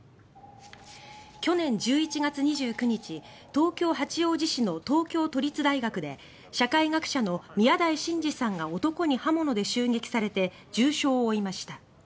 去年１１月２９日東京・八王子市の東京都立大学で社会学者の宮台真司さんが男に刃物で襲撃されて重傷を負いました。